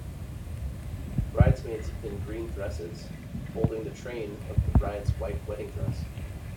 Bridesmaids in green dresses holding the train of the bride 's white wedding dress.